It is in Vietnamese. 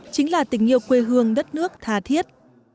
chính là tình yêu quê hương đất nước thà thiết